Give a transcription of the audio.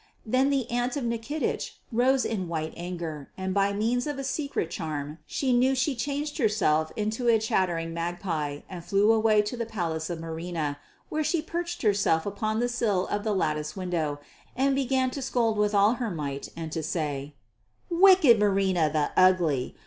Then the aunt of Nikitich rose in white anger, and by means of a secret charm she knew she changed herself into a chattering magpie and flew away to the palace of Marina, where she perched herself upon the sill of the lattice window and began to scold with all her might and to say: "Wicked Marina, the ugly!